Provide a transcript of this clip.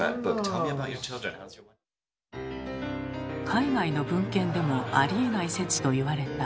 海外の文献でもありえない説と言われた。